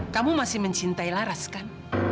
kamu masih mencintai laras kan